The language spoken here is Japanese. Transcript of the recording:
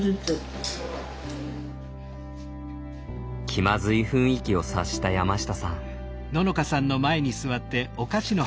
気まずい雰囲気を察した山下さん。